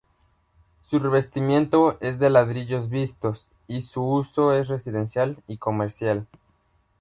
Su revestimiento es de ladrillos vistos y su uso es residencial y comercial.